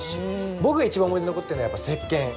僕が一番思い出に残ってるのはやっぱ石けん！